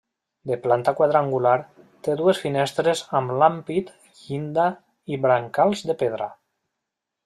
De planta quadrangular, té dues finestres amb l'ampit, llinda i brancals de pedra.